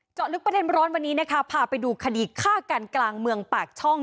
เจาะลึกประเด็นร้อนวันนี้นะคะพาไปดูคดีฆ่ากันกลางเมืองปากช่อง